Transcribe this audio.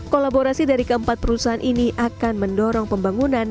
kolaborasi dari keempat perusahaan ini akan mendorong pembangunan